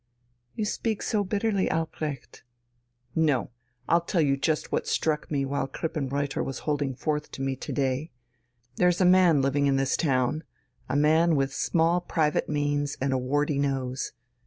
"You speak so bitterly, Albrecht." "No; I'll just tell you what struck me while Krippenreuther was holding forth to me to day. There's a man living in this town, a man with small private means and a warty nose.